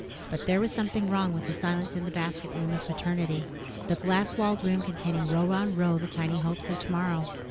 But there was something wrong with the silence in the "basket room" of Maternity, the glass walled room containing row on row, the tiny hopes of tomorrow.